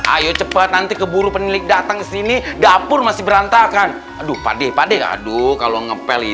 ayo cepat nanti keburu penilik dateng kesini dapur masih berantakan